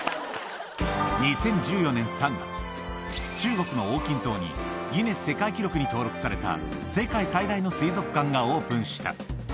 ２０１４年３月、中国の横琴島に、ギネス世界記録に登録された世界最大の水族館がオープンした。